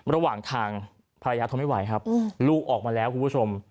ระหว่างทางภรรยาทนไม่ไหวครับลูกออกมาแล้วคุณผู้ชม